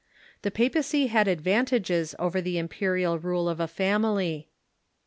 The papacy had advantages over the imperial rule of a family.